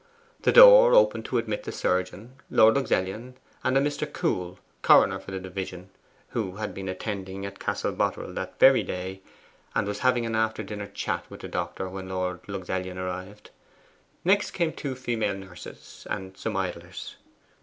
The door opened to admit the surgeon, Lord Luxellian, and a Mr. Coole, coroner for the division (who had been attending at Castle Boterel that very day, and was having an after dinner chat with the doctor when Lord Luxellian arrived); next came two female nurses and some idlers.